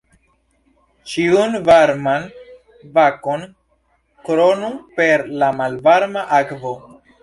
Ĉiun varman banon kronu per la malvarma akvo.